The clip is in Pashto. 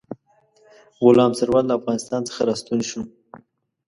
غلام سرور له افغانستان څخه را ستون شو.